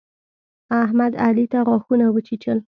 احمد، علي ته غاښونه وچيچل.